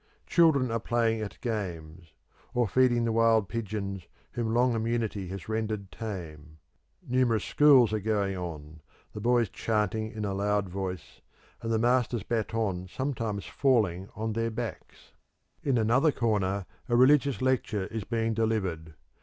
Children are playing at games, or feeding the wild pigeons whom long immunity has rendered tame. Numerous schools are going on, the boys chanting in a loud voice, and the master's baton sometimes falling on their backs. In another corner a religious lecture is being delivered.